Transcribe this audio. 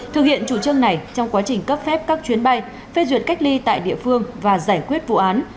thực hiện chủ trương này trong quá trình cấp phép các chuyến bay phê duyệt cách ly tại địa phương và giải quyết vụ án